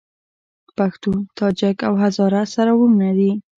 پښتون، تاجک او هزاره سره وروڼه دي